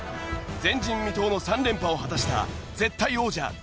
前人未踏の３連覇を果たした絶対王者